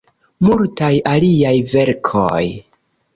Multaj aliaj verkoj.